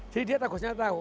jadi dia takutnya tahu